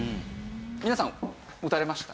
皆さん打たれましたか？